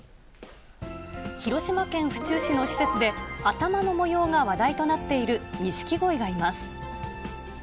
広島県府中市の施設で、頭の模様が話題となっているニシキゴイがいます。